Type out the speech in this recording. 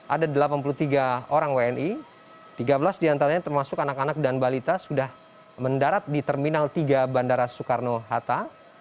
ada delapan puluh tiga orang wni tiga belas diantaranya termasuk anak anak dan balita sudah mendarat di terminal tiga bandara soekarno hatta